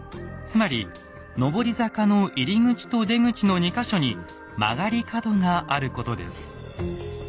つまり上り坂の入り口と出口の２か所に曲がり角があることです。